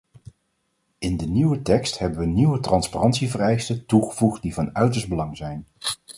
In de nieuwe tekst hebben we nieuwe transparantievereisten toegevoegd die van uiterst belang zijn.